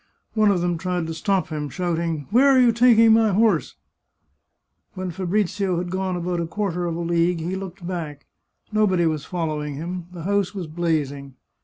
One of them tried to stop him, shout ing, " Where are you taking my horse ?" When Fabrizio had gone about a quarter of a league he looked back. Nobody was following him ; the house was blazing.